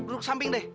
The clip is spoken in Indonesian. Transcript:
duduk samping deh